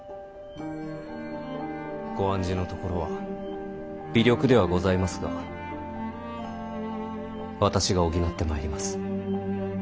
ご案じのところは微力ではございますが私が補ってまいります。